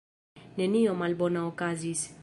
Nenio malbona okazis.